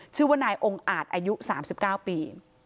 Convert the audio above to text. ชื่อว่านายองค์อาจอายุ๓๙ปี